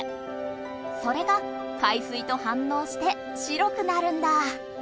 それが海水と反応して白くなるんだ。